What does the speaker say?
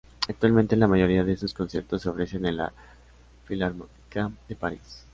Actualmente, la mayoría de sus conciertos se ofrecen en la Filarmónica de París.